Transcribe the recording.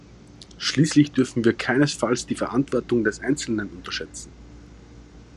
Schließlich dürfen wir keinesfalls die Verantwortung des Einzelnen unterschätzen.